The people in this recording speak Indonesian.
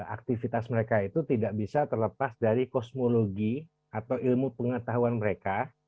aktivitas mereka itu tidak bisa terlepas dari kosmologi atau ilmu pengetahuan mereka